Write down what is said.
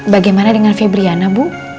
bagaimana dengan febriana bu